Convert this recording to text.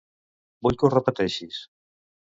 Vull que ho repeteixis.